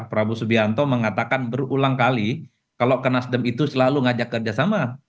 prabowo subianto mengatakan berulang kali kalau ke nasdem itu selalu ngajak kerjasama